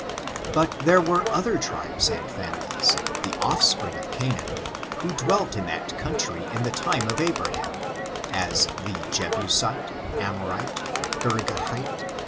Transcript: But there were other tribes and families, the oflf spring of Canaan, who dwelt in that country in the time of Abraham, as the Jebusite, Amorite, Girgahite.